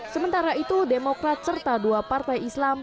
sementara itu demokrat serta dua partai islam